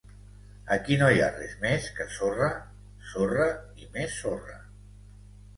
Aquí no hi ha res més que sorra, sorra i més sorra.